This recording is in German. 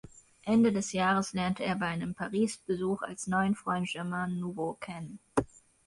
Ende des Jahres lernte er bei einem Paris-Besuch als neuen Freund Germain Nouveau kennen.